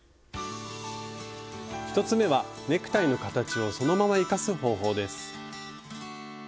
１つ目はネクタイの形をそのまま生かす方法です。